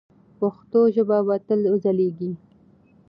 پښتو ژبه به تل وځلیږي.